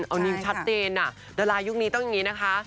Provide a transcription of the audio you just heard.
เอานิ้วชัดเจนดารายุคนี้ต้องอย่างนี้นะคะ